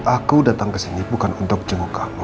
aku datang kesini bukan untuk jenguk kamu